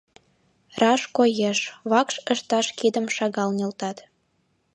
— Раш коеш: вакш ышташ кидым шагал нӧлтат.